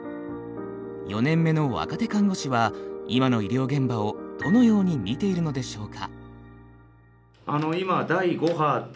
４年目の若手看護師は今の医療現場をどのように見ているのでしょうか。